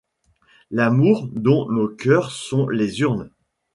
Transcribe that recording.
L'amour, dont nos coeurs sont les urnes